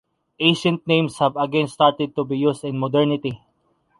Ancient names have again started to be used in modernity.